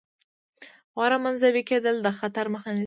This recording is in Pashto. غوره منزوي کېدل د خطر مخه نیسي.